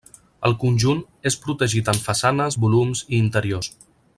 El conjunt és protegit en façanes, volums i interiors.